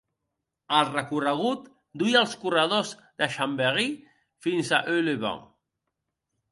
El recorregut duia els corredors de Chambéry fins a Aix-les-Bains.